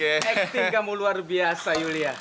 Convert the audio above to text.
acting kamu luar biasa yulia